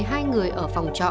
hai người ở phòng trọ